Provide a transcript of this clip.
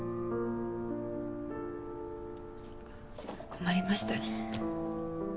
困りましたね